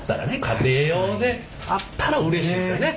家庭用であったらうれしいですよね。